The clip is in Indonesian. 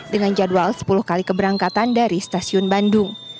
dengan jadwal sepuluh kali keberangkatan dari stasiun bandung